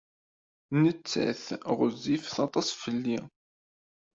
Nettat ɣezzifet aṭas fell-i.